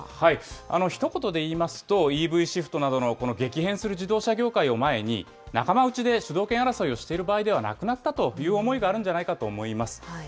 ひと言で言いますと、ＥＶシフトなどのこの激変する自動車業界を前に、仲間内で主導権争いをしている場合ではなくなったという思いがあるんじゃないかと思います。